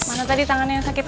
mana tadi tangan yang sakit